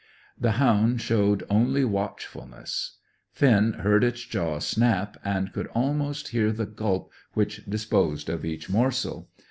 The hound showed only watchfulness. Finn heard its jaws snap, and could almost hear the gulp which disposed of each morsel.